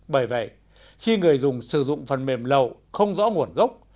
bởi vậy khi người dùng sử dụng phần mềm lậu không rõ nguồn gốc